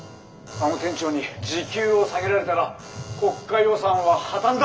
あの店長に時給を下げられたら国家予算は破綻だ！」。